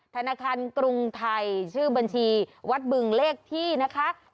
ธนาคารกรุงไทยชื่อบัญชีวัดบึงเลขที่นะคะ